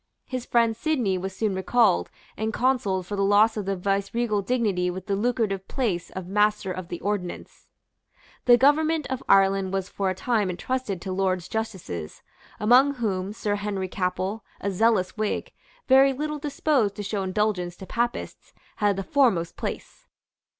His friend Sidney was soon recalled, and consoled for the loss of the viceregal dignity with the lucrative place of Master of the Ordnance. The government of Ireland was for a time entrusted to Lords justices, among whom Sir Henry Capel, a zealous Whig, very little disposed to show indulgence to Papists, had the foremost place.